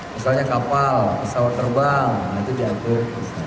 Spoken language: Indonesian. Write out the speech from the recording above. misalnya kapal pesawat terbang itu diatur